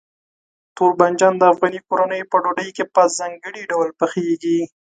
تور بانجان د افغاني کورنیو په ډوډۍ کې په ځانګړي ډول پخېږي.